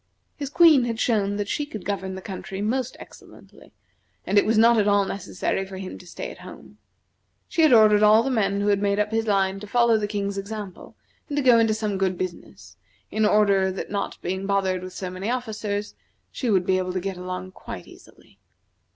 His Queen had shown that she could govern the country most excellently, and it was not at all necessary for him to stay at home. She had ordered all the men who had made up his line to follow the King's example and to go into some good business; in order that not being bothered with so many officers, she would be able to get along quite easily.